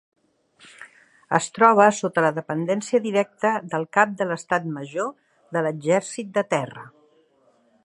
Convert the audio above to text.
Es troba sota la dependència directa del Cap de l'Estat Major de l'Exèrcit de Terra.